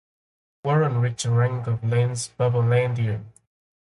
Warren reached the rank of lance bombardier.